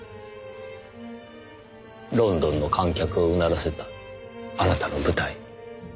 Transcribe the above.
ロンドンの観客をうならせたあなたの舞台拝見したかった。